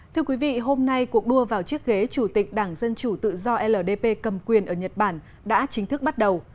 thưa quý vị hôm nay cuộc đua vào chiếc ghế chủ tịch đảng dân chủ tự do ldp cầm quyền ở nhật bản đã chính thức bắt đầu